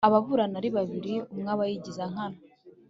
ababurana ari babiri umwe aba yigiza nkana